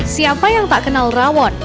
siapa yang tak kenal rawon